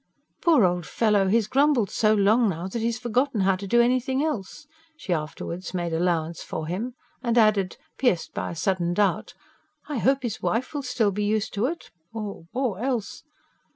"Poor old fellow, he's grumbled so long now, that he's forgotten how to do anything else," she afterwards made allowance for him. And added, pierced by a sudden doubt: "I hope his wife will still be used to it, or ... or else